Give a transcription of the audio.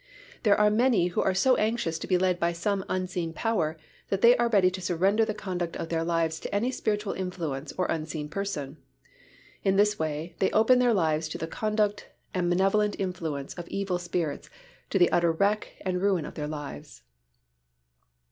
There are many who are so anxious to be led by some unseen power that they are ready to surrender the conduct of their lives to any spiritual influence or unseen person. In this way, they open their lives to the conduct and malevolent influence of evil spirits to the utter wreck and ruin of their lives.